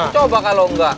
coba kalau enggak